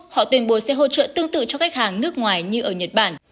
họ tuyên bố sẽ hỗ trợ tương tự cho khách hàng nước ngoài như ở nhật bản